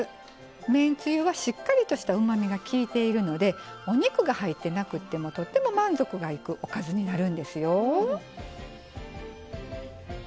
めんつゆは、しっかりとしたうまみがきいているのでお肉が入ってなくてもとっても満足がいくおかずになるんですよ。